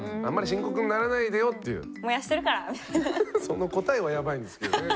その答えはヤバいんですけどね。